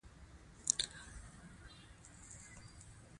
ازادي راډیو د د مخابراتو پرمختګ په اړه د نېکمرغۍ کیسې بیان کړې.